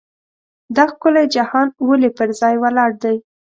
دا ښکلی جهان ولې پر ځای ولاړ دی.